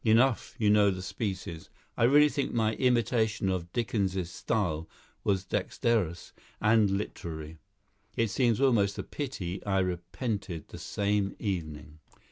Enough, you know the species. I really think my imitation of Dickens's style was dexterous and literary. It seems almost a pity I repented the same evening."